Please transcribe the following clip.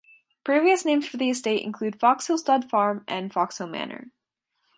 Previous names for the estate include Foxhill Stud Farm and Foxhill Manor.